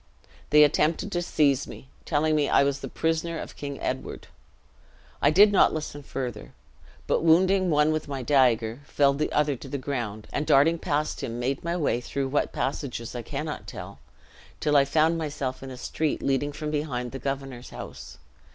They attempted to seize me, telling me I was the prisoner of King Edward. I did not listen further, but wounding one with my dagger, felled the other to the ground; and darting past him, made my way through what passages I cannot tell, till I found myself in a street leading from behind the governor's house.